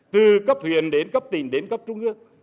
từ cấp huyền đến cấp tỉnh đến cấp trung ương